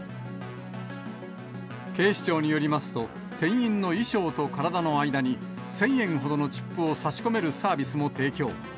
警視庁によりますと、店員の衣装と体の間に、１０００円ほどのチップを差し込めるサービスも提供。